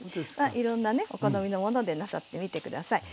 いろんなねお好みのものでなさってみて下さい。